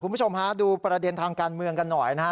คุณผู้ชมฮะดูประเด็นทางการเมืองกันหน่อยนะฮะ